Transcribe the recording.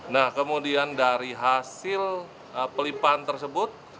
nah kemudian dari hasil pelipaan tersebut